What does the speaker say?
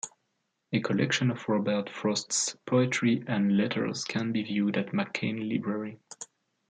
A collection of Robert Frost's poetry and letters can be viewed at McCain Library.